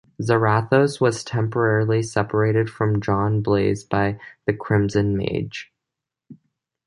Zarathos was temporarily separated from John Blaze by the Crimson Mage.